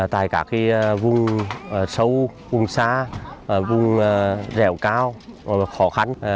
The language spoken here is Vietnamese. tại các vùng sâu vùng xa vùng rẻo cao khó khăn